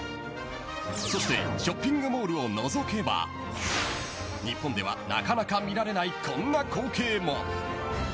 そしてショッピングモールを覗けば日本では、なかなか見られないこんな光景も。